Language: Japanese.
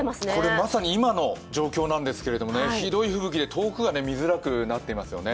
まさに今の状況なんですけど広い範囲で遠くが見えなくなってますよね。